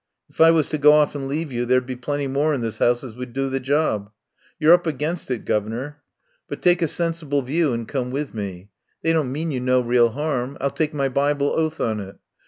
If I was to go off and leave you there'd be plenty more in this 'ouse as would do the job. You're up against it, guv'nor. But take a sensible view and come with me. They don't mean you no real 'arm. I'll take my Bible oath on it.